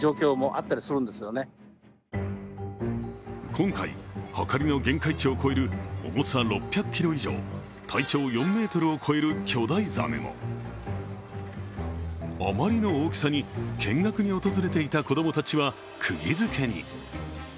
今回、はかりの限界値を超えるおもさ６００ｋｇ以上、体長４ｍを超える巨大ザメもあまりの大きさに見学に訪れていた子供たちはくぎづけに。